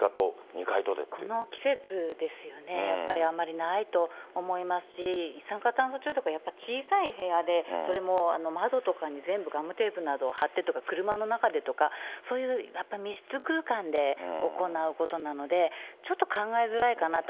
この季節ですよね、やっぱりあまりないと思いますし、一酸化炭素中毒は、やっぱ小さい部屋で、それも窓とかも全部ガムテープとかを貼ってとか車の中でとか、そういう密室空間で行うことなので、ちょっと考えづらいかなと。